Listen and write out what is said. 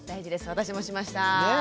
私もしました。